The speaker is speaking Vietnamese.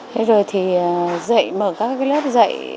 thế rồi thì dạy mở các lớp dạy